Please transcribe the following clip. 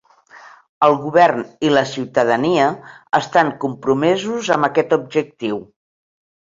El govern i la ciutadania estan compromesos amb aquest objectiu.